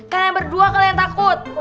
kalian berdua kalian takut